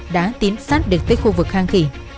đã tiến sát được tới khu vực hang khỉ